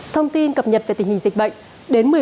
thông tin cập nhật về tình hình dịch bệnh